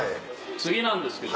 次なんですけど。